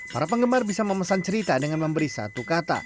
para penggemar bisa memesan cerita dengan memberi satu kata